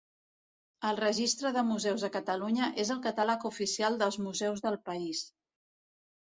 El Registre de Museus de Catalunya és el catàleg oficial dels museus del país.